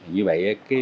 như vậy á